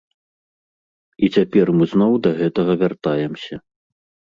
І цяпер мы зноў да гэтага вяртаемся.